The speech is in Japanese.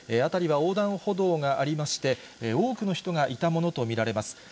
辺りは横断歩道がありまして、多くの人がいたものと見られます。